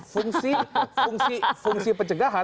fungsi fungsi fungsi pencegahan